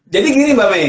jadi gini mbak may